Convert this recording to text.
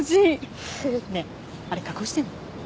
ふふっねえあれ加工してんの？